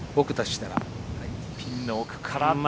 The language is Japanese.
ピンの奥から。